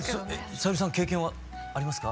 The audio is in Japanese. さゆりさん経験はありますか？